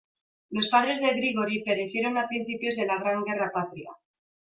Los padres de Grigori perecieron a principios de la Gran Guerra Patria.